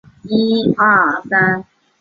藏历藏族人民的传统历法。